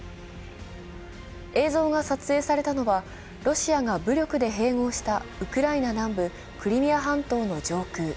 映像が撮影されたのはロシアが武力で併合したウクライナ南部クリミア半島の上空。